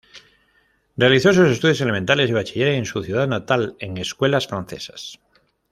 Realizó sus estudios elementales y bachiller en su ciudad natal, en escuelas francesas.